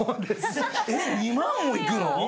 えっ２万もいくの？